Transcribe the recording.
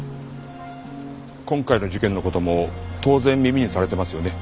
今回の事件の事も当然耳にされてますよね？